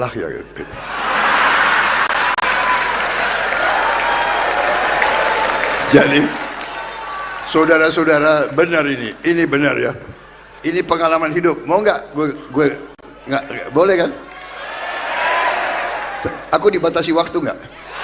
hai aku dibatasi waktu enggak